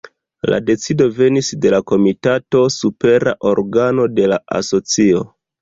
La decido venis de la Komitato, supera organo de la Asocio.